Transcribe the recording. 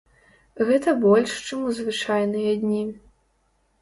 Гэта больш, чым у звычайныя дні.